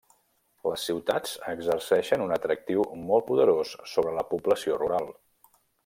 Les ciutats exerceixen un atractiu molt poderós sobre la població rural.